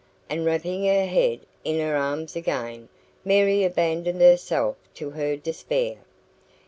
And wrapping her head in her arms again, Mary abandoned herself to her despair.